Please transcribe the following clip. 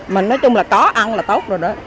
mình nói chung là có ăn là tốt rồi đó